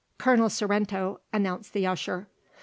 "Colonel Sorrento," announced the usher.